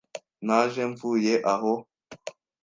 Naje mvuye aho.